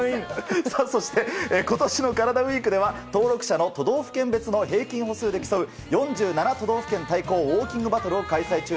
そして今年のカラダＷＥＥＫでは登録者の都道府県別の平均歩数で競う４７都道府県対抗ウォーキングバトルを開催中。